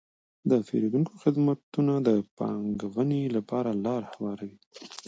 د پیرودونکو خدمتونه د پانګونې لپاره لاره هواروي.